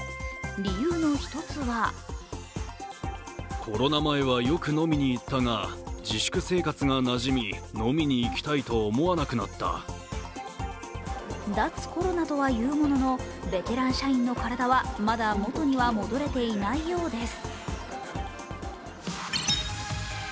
理由の一つは脱コロナとはいうもののベテラン社員の体はまだ元には戻れていないようです。